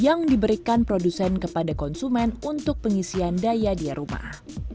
yang diberikan produsen kepada konsumen untuk pengisian daya rumah